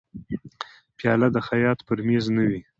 پیاله د خیاط پر مېز نه وي.